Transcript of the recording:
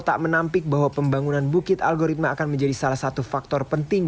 tak menampik bahwa pembangunan bukit algoritma akan menjadi salah satu faktor penting